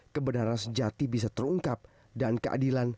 keungkap dan keadilan